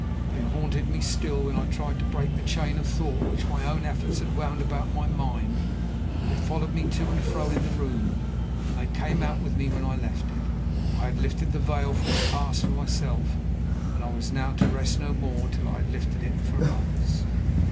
They haunted me still when I tried to break the chain of thought which my own efforts had wound about my mind; they followed me to and fro in the room; and they came out with me when I left it. I had lifted the veil from the Past for myself, and I was now to rest no more till I had lifted it for others.